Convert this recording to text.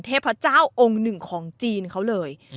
เทพเจ้าองค์หนึ่งของจีนเขาเลย